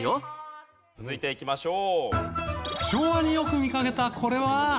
続いていきましょう。